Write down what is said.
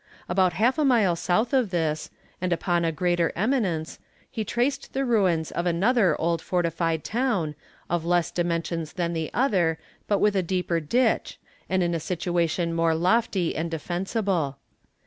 About half a mile south of this, and upon a greater eminence, he traced the ruins of another old fortified town, of less dimensions than the other, but with a deeper ditch, and in a situation more lofty and defensible.